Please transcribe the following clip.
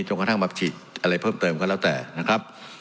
จนค่อนข้างมับหิดอะไรเพิ่มเติมก็แล้วแต่นะครับ